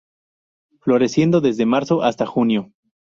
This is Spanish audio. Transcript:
Floreciendo desde marzo hasta junio.